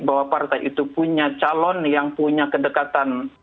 bahwa partai itu punya calon yang punya kedekatan